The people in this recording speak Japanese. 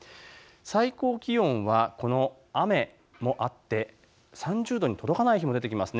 最高気温はこの雨もあって３０度に届かない所が出てきます。